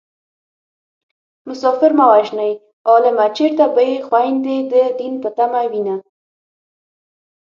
مسافر مه وژنئ عالمه چېرته به يې خويندې د دين په تمه وينه